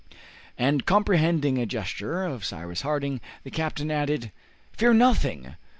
And comprehending a gesture of Cyrus Harding, the captain added, "Fear nothing!